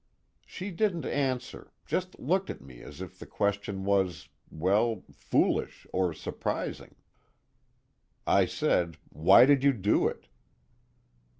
She didn't answer, just looked at me as if the question was well, foolish or surprising. I said: 'Why did you do it?'"